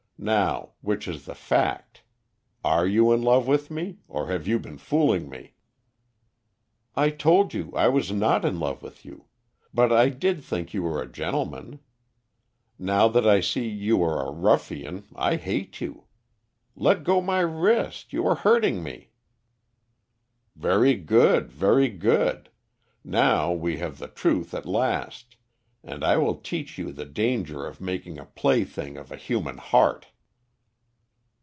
Now, which is the fact? Are you in love with me, or have you been fooling me?" "I told you I was not in love with you; but I did think you were a gentleman. Now that I see you are a ruffian, I hate you. Let go my wrist; you are hurting me." "Very good, very good. Now we have the truth at last, and I will teach you the danger of making a plaything of a human heart."